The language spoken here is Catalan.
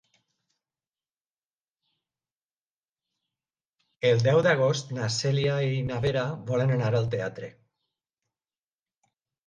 El deu d'agost na Cèlia i na Vera volen anar al teatre.